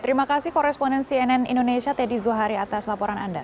terima kasih koresponen cnn indonesia teddy zuhari atas laporan anda